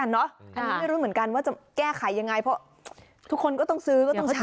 อันนี้ไม่รู้เหมือนกันว่าจะแก้ไขยังไงเพราะทุกคนก็ต้องซื้อก็ต้องซื้อ